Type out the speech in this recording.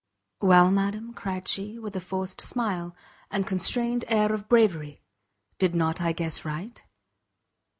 "Well, madam," cried she, with a forced smile, and constrained air of bravery, "did not I guess right?"